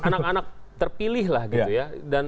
anak anak terpilih lah gitu ya